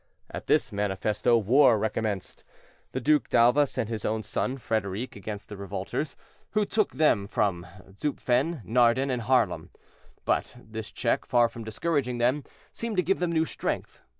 At this manifesto war recommenced. The Duc d'Alva sent his own son Frederic against the revolters, who took from them Zutphen, Nardem, and Haarlem; but this check, far from discouraging them, seemed to give them new strength.